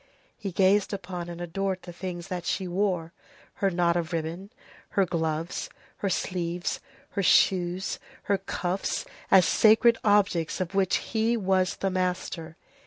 He gazed upon and adored the things that she wore, her knot of ribbon, her gloves, her sleeves, her shoes, her cuffs, as sacred objects of which he was the master.